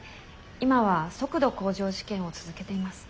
今は速度向上試験を続けています。